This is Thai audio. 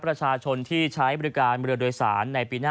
ประชาชนที่ใช้บริการเรือโดยสารในปีหน้า